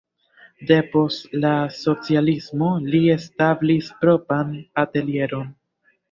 Depost la socialismo li establis propran atelieron.